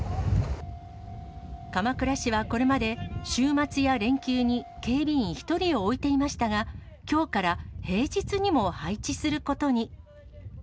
鎌倉市はこれまで、週末や連休に警備員１人を置いていましたが、きょうから平日にも配置することに。